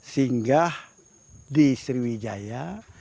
singgah di sriwijaya